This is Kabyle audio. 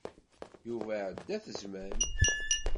Yuba iɛedda-t zzman.